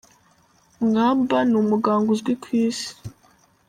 Mwamba ni umuganga uzwi ku isi.